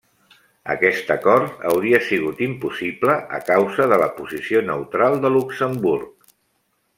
Aquest acord hauria sigut impossible a causa de la posició neutral de Luxemburg.